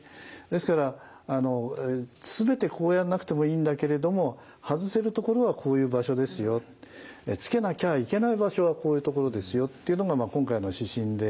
ですから全てこうやんなくてもいいんだけれども外せるところはこういう場所ですよつけなきゃいけない場所はこういうところですよっていうのが今回の指針で。